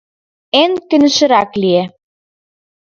Энн кӧнышырак лие.